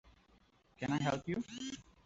Can I help you?